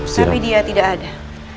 tapi dia tidak ada